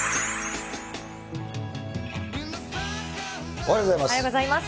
おはようございます。